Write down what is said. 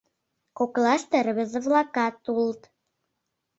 Коклаште рвезе-влакат улыт.